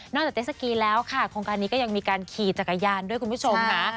จากเจสสกีแล้วค่ะโครงการนี้ก็ยังมีการขี่จักรยานด้วยคุณผู้ชมค่ะ